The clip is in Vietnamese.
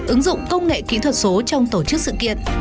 ứng dụng công nghệ kỹ thuật số trong tổ chức sự kiện